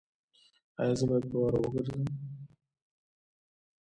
ایا زه باید په واوره وګرځم؟